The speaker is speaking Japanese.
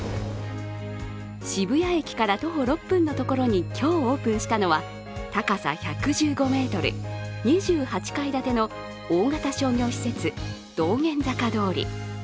渋谷駅から徒歩６分のところに今日オープンしたのは、高さ１１５ｍ、２８階建ての大型商業施設道玄坂通。